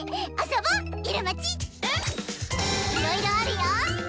いろいろあるよ！